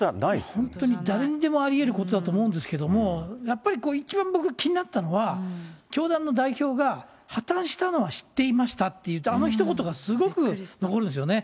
本当に誰にでもありえることだと思うんですけれども、やっぱり一番僕、気になったのは、教団の代表が、破綻したのは知っていましたって言って、あのひと言がすごく残るんですよね。